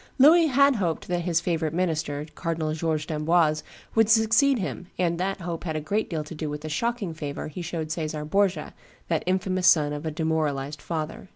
Louis had hoped that his favorite minister, Cardinal George d'Amboise, would succeed him, and that hope had a great deal to do with the shocking favor he showed Caesar Borgia, that infamous son of a demoralized father.